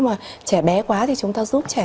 mà trẻ bé quá thì chúng ta giúp trẻ